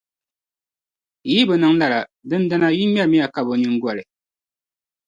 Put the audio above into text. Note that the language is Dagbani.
yi yi bi niŋ lala, dindina yin’ ŋmɛlimiya kab’ o nyiŋgoli.